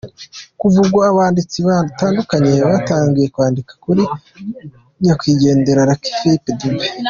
Kuva ubwo abanditsi batandukanye batangiye kwandika kuri nyakwigendera Lucky Philip Dube.